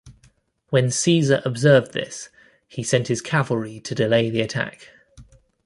When Caesar observed this, he sent his cavalry to delay the attack.